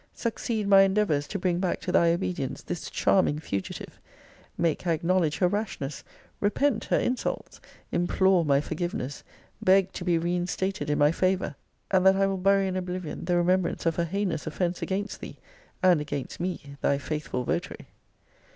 Succeed my endeavours to bring back to thy obedience this charming fugitive! Make her acknowledge her rashness; repent her insults; implore my forgiveness; beg to be reinstated in my favour, and that I will bury in oblivion the remembrance of her heinous offence against thee, and against me, thy faithful votary.